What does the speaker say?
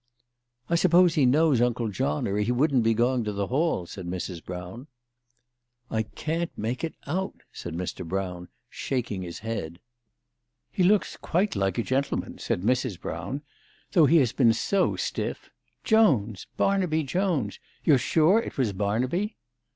" I suppose he knows Uncle John, or he wouldn't be going to the Hall," said Mrs. Brown. " I can't make it out," said Mr. Brown, shaking his head. " He looks quite like a gentleman," said Mrs. Brown, CHRISTMAS AT THOMPSON HALL. 251 " though he has been so stiff. Jones ! Barnaby Jones ! You're sure it was Barnaby?